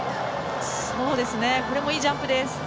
これもいいジャンプです。